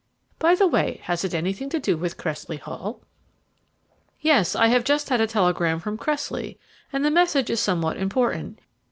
By the way, has it anything to do with Cressley Hall?" "Yes; I have just had a telegram from Cressley, and the message is somewhat important.